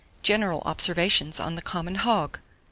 GENERAL OBSERVATIONS ON THE COMMON HOG.